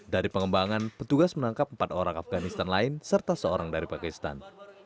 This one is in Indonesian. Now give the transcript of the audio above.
dari pengembangan petugas menangkap empat orang afganistan lain serta seorang dari pakistan